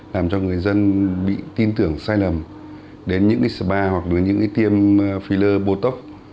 làm cho người dân bị tin tưởng sai lầm đến những cái spa hoặc những cái tiêm filler bò tóc